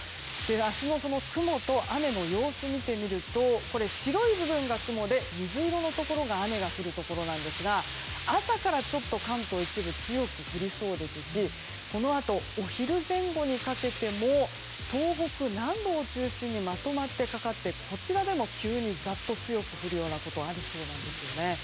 明日の雲と雨の様子を見てみると白い部分が雲で、水色のところが雨が降るところですが朝からちょっと関東一部強く降りそうですしこのあと、お昼前後にかけても東北南部を中心にまとまってかかってこちらでも急にザッと強く降るようなことがありそうなんですね。